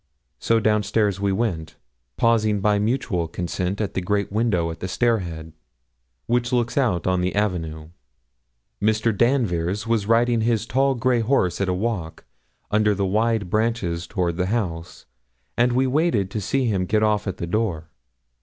So down stairs we went, pausing by mutual consent at the great window at the stair head, which looks out on the avenue. Mr. Danvers was riding his tall, grey horse at a walk, under the wide branches toward the house, and we waited to see him get off at the door.